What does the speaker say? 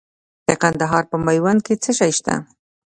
د کندهار په میوند کې څه شی شته؟